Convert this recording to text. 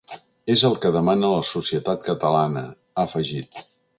És el que demana la societat catalana, ha afegit.